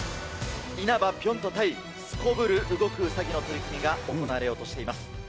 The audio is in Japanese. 因幡ぴょん兎対すこぶる動くウサギの取り組みが行われようとしています。